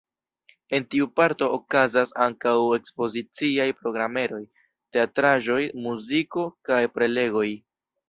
En tiu parto okazas ankaŭ ekspoziciaj programeroj: teatraĵoj, muziko kaj prelegoj.